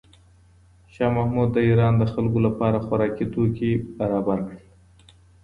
شاه محمود د ایران د خلکو لپاره خوراکي توکي برابر کړل.